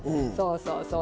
そうそう。